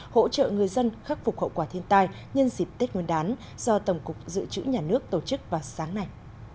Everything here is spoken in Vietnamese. hỗ trợ người dân khắc phục hậu quả thiên tai nhân dịp tết nguyên đán do tổng cục dự trữ nhà nước tổ chức vào sáng nay